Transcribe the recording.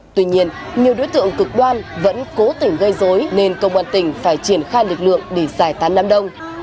tuy nhiên nhiều đối tượng cực đoan vẫn cố tình gây dối nên công an tỉnh phải triển khai lực lượng để giải tán đám đông